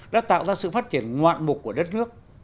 đã tạo ra sự phát triển ngoạn mục của đất nước